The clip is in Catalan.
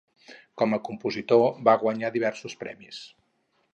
Com a compositor va guanyar diversos premis.